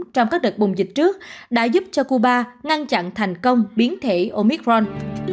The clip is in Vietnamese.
trong các đợt bùng dịch trước đã giúp cho cuba ngăn chặn thành công biến thể omicron